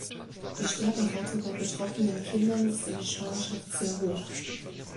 Die Sterberate bei betroffenen Kindern ist in der Schwangerschaft sehr hoch.